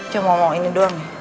cuma mau ini doang